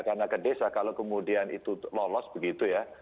karena ke desa kalau kemudian itu lolos begitu ya